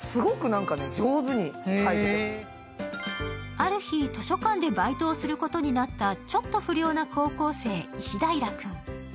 ある日、図書館でバイトをすることになったちょっと不良な高校生、石平君。